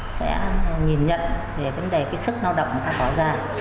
sẽ nhìn nhận về vấn đề cái sức lao động người ta có ra